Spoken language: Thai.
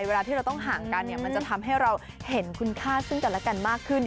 เวลาที่เราต้องห่างกันเนี่ยมันจะทำให้เราเห็นคุณค่าซึ่งกันและกันมากขึ้น